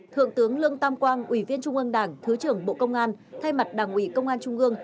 thượng tướng lương tam quang ủy viên trung ương đảng thứ trưởng bộ công an thay mặt đảng ủy công an trung ương